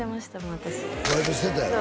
私バイトしてたやろ？